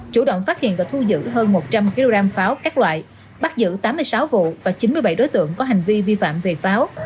chủ động phát hiện và thu giữ hơn một trăm linh kg pháo các loại bắt giữ tám mươi sáu vụ và chín mươi bảy đối tượng có hành vi vi phạm về pháo